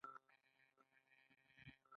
هغوی د ځلانده خوبونو د لیدلو لپاره ناست هم وو.